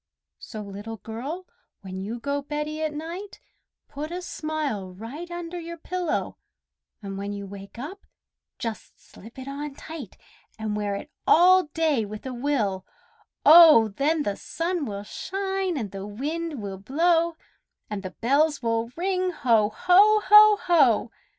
So, Little Girl, when you go beddy at night, Put a smile right under your pillow, And when you wake up, just slip it on tight, And wear it all day with a will, oh! Then the sun will shine and the wind will blow, And the bells will ring, "Ho! ho! ho! ho!"